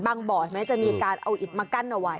บางบ่อมันจะมีการเอาอิตมากั้นเอาไว้